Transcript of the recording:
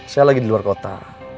saya lagi di luar kota